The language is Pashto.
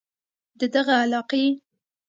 د دغه علاقې